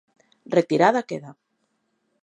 Retirada queda.